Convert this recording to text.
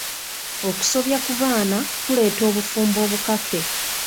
Okusobya ku baana kuleeta obufumbo obukake.